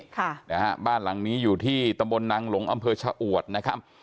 ค่ะนะฮะบ้านหลังนี้อยู่ที่ตำบลนางหลงอำเภอชะอวดนะครับ